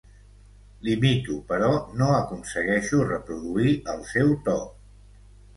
L'imito però no aconsegueixo reproduir el seu to.